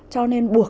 cho nên buộc